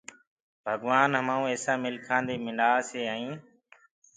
ڀگوآن همآنٚڪو ايسآ مِنکآنٚ دي ملآسي ائيٚنٚ